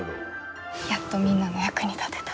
やっとみんなの役に立てた。